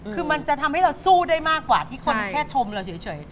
คือมันจะทำให้เราสู้ได้มากกว่าที่คนแค่ชมเราเฉย